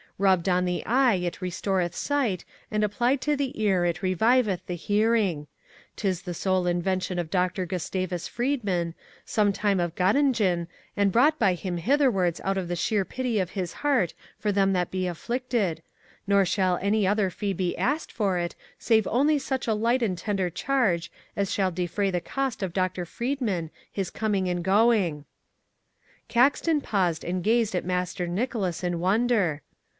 Rubbed on the eye it restoreth sight and applied to the ear it reviveth the hearing. 'Tis the sole invention of Doctor Gustavus Friedman, sometime of Gottingen and brought by him hitherwards out of the sheer pity of his heart for them that be afflicted, nor shall any other fee be asked for it save only such a light and tender charge as shall defray the cost of Doctor Friedman his coming and going.'" Caxton paused and gazed at Master Nicholas in wonder.